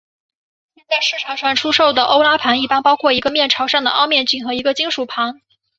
现在市场上出售的欧拉盘一般包括一个面朝上的凹面镜和一个金属盘。